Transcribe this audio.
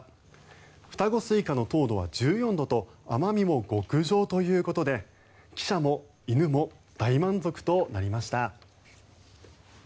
双子スイカの糖度は１４度と甘味も極上ということで記者も犬も大満足となりました。